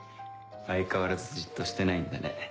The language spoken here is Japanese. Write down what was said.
相変わらずじっとしてないんだね。